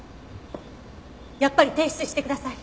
やっぱり提出してください！